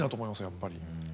やっぱり。